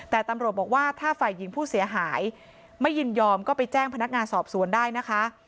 แต่ตำรวจบอกว่าถ้าฝ่ายหญิงผู้เสียหายไม่ยินยอมก็ไปแจ้งพนักงานสอบสวนได้นะคะ